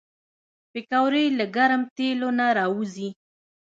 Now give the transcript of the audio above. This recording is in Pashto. پکورې له ګرم تیلو نه راوځي